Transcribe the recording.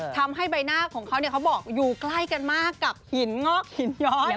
ทำให้ใบหน้าของเขาเขาบอกอยู่ใกล้กันมากกับหินงอกหินย้อย